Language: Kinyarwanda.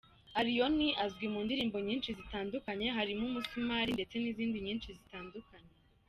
Allioni azwi mu ndirimbo nyinshi zitandukanye harimo umusumari ndetse n’izindi nyinshi zitandukanye.